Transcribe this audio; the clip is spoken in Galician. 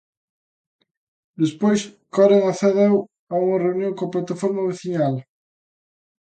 Despois, Coren accedeu a unha reunión coa plataforma veciñal.